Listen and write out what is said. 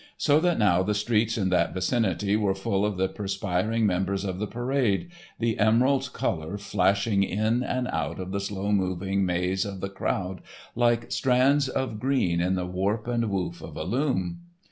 So that now the streets in that vicinity were full of the perspiring members of the parade, the emerald colour flashing in and out of the slow moving maze of the crowd, like strands of green in the warp and woof of a loom.